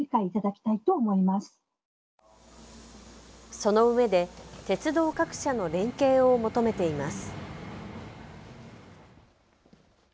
そのうえで鉄道各社の連携を求めています。